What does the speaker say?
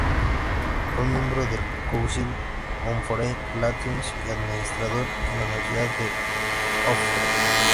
Fue miembro del Council on Foreign Relations y administrador en la Universidad de Hofstra.